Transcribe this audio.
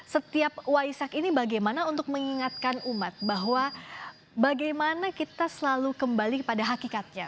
setiap waisak ini bagaimana untuk mengingatkan umat bahwa bagaimana kita selalu kembali pada hakikatnya